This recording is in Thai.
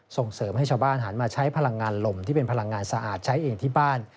ส่งเสริมให้ชาวบ้านหันมาใช้พลังงานลมที่เป็นพลังงานสะอาดใช้เองที่บ้าน